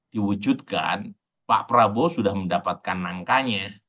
diwujudkan pak prabowo sudah mendapatkan angkanya